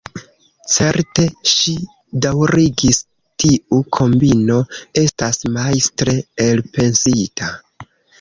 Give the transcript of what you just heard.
Certe, ŝi daŭrigis, tiu kombino estas majstre elpensita.